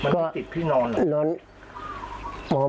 มันติดที่นอนเหรอ